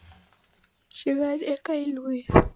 Shighadi eka ieliye